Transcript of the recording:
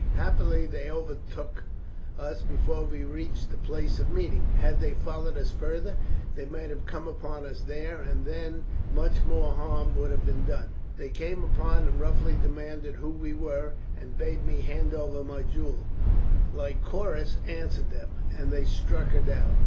Happily they overtook us before we reached the place of meeting. Had they followed us farther they might have come upon us there, and then much more harm would have been done. They came up and roughly demanded who we were, and bade me hand over my jewels. Lycoris answered them, and they struck her down.